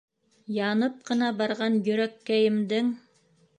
Янып ҡына барған йөрәккәйемдең